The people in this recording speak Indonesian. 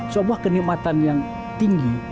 sebuah kenikmatan yang tinggi